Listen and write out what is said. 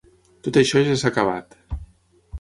Tot això ja s’ha acabat!